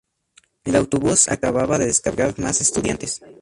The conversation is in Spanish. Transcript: El autobús acababa de descargar más estudiantes.